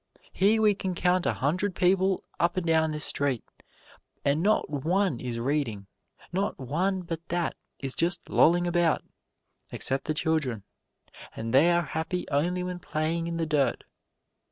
Here we can count a hundred people up and down this street, and not one is reading, not one but that is just lolling about, except the children and they are happy only when playing in the dirt.